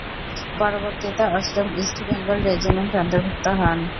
পরবর্তীতে অষ্টম East Bengal রেজিমেন্টে অন্তর্ভুক্ত হন।